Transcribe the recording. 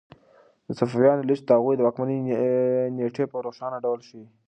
د صفویانو لیست د هغوی د واکمنۍ نېټې په روښانه ډول ښيي.